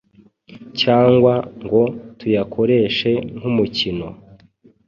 cyangwa ngo tuyakoreshe nk’umukino.